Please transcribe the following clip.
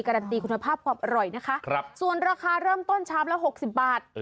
การันตีคุณภาพความอร่อยนะคะส่วนราคาเริ่มต้นชามละ๖๐บาท